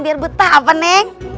biar betah apa neng